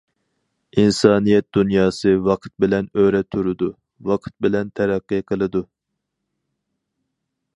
ئىنسانىيەت دۇنياسى ۋاقىت بىلەن ئۆرە تۇرىدۇ، ۋاقىت بىلەن تەرەققىي قىلىدۇ.